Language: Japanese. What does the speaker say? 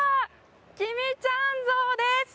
きみちゃん像です。